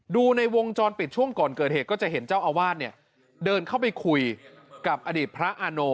ดูในวงจรปิดช่วงก่อนเกิดเหตุก็จะเห็นเจ้าอาวาสเนี่ยเดินเข้าไปคุยกับอดีตพระอาโน